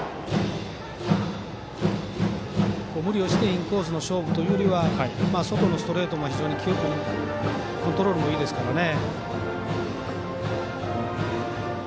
無理をしてインコースの勝負というよりは外のストレートも非常コントロールもいいですからね。